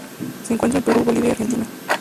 Se encuentra en Perú, Bolivia y Argentina.